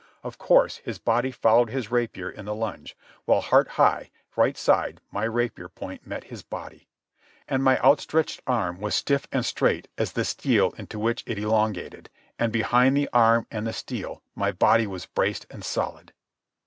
Of course, his body followed his rapier in the lunge, while, heart high, right side, my rapier point met his body. And my outstretched arm was stiff and straight as the steel into which it elongated, and behind the arm and the steel my body was braced and solid.